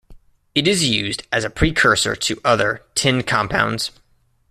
It is used as a precursor to other tin compounds.